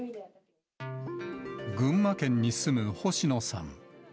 群馬県に住む星野さん。